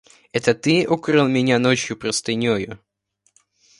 – Это ты укрыл меня ночью простынею?